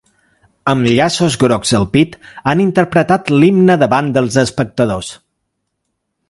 Amb llaços grocs al pit, han interpretat l’himne davant dels espectadors.